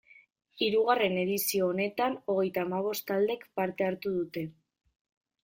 Hirugarren edizio honetan, hogeita hamabost taldek parte hartu dute.